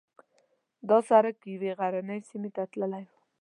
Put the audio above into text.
دا سړک یوې غرنۍ سیمې ته تللی و.